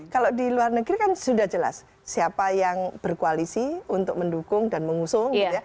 kalau di luar negeri kan sudah jelas siapa yang berkoalisi untuk mendukung dan mengusung